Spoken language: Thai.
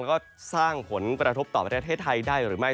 แล้วก็สร้างผลกระทบต่อประเทศไทยได้หรือไม่